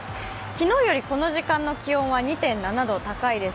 昨日よりこの時間の気温は２．７度高いです。